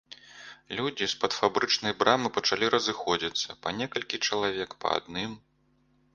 Людзі з-пад фабрычнай брамы пачалі разыходзіцца, па некалькі чалавек, па адным.